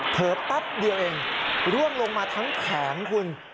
เพิ่มปั๊บเดียวเองล่วงลงมาทั้งแข็งคุณ